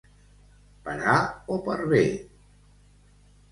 Per a o per b.